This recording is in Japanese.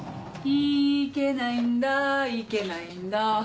いけないんだいけないんだ